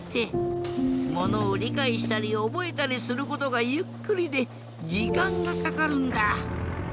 ものをりかいしたりおぼえたりすることがゆっくりでじかんがかかるんだ。